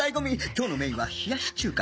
今日のメインは冷やし中華